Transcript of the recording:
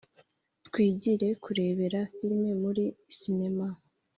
twigire kurebera firime muri sinema